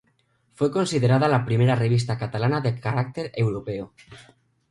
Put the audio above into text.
Fue considerada la primera revista catalana de carácter europeo.